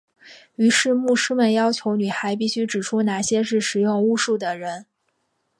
于是牧师们要求女孩必须指出哪些是使用巫术的人。